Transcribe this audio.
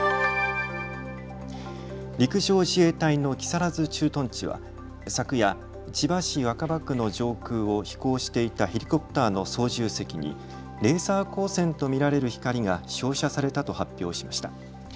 陸上自衛隊の木更津駐屯地は昨夜、千葉市若葉区の上空を飛行していたヘリコプターの操縦席にレーザー光線と見られる光が照射されたと発表しました。